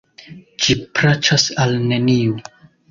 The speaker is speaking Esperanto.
Ĝi plaĉas al neniu.